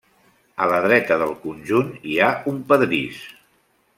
A la dreta del conjunt hi ha un pedrís.